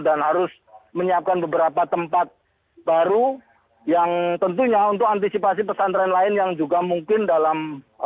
dan harus menyiapkan beberapa tempat baru yang tentunya untuk antisipasi pesantren lain yang juga mungkin dalam